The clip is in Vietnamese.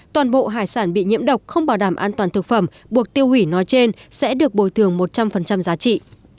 toàn bộ hải sản bị nhiễm độc không bảo đảm an toàn thực phẩm buộc tiêu hủy nói trên sẽ được bồi thường một trăm linh giá trị